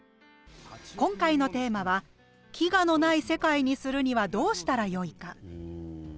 今回のテーマは「飢餓のない世界にするにはどうしたらよいか」。